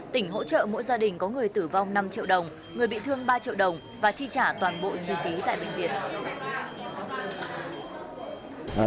tỉnh hỗ trợ mỗi gia đình có người tử vong năm triệu đồng người bị thương ba triệu đồng và chi trả toàn bộ chi phí tại bệnh viện